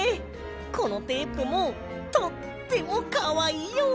このテープもとってもかわいいよ！